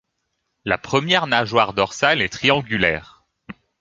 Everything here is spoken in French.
La première nageoire dorsale est triangulaire.